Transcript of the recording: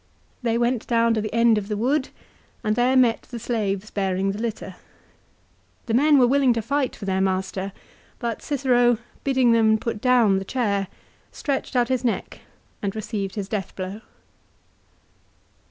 They went down to the end of the wood and there met the slaves bearing the litter. The men were willing to fight for their master ; but Cicero, bidding them put down the chair, stretched out his neck and received his death blow.